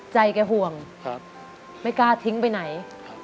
แกห่วงไม่กล้าทิ้งไปไหน